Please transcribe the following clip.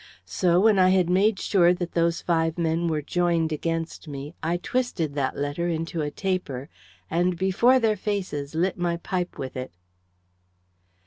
So when I had made sure that those five men were joined against me, I twisted that letter into a taper and before their faces lit my pipe with it."